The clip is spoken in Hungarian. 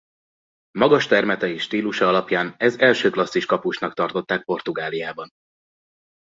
Magas termete és stílusa alapján ez első klasszis kapusnak tartották Portugáliában.